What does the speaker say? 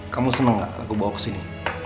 kamu seneng gak aku bawa kesini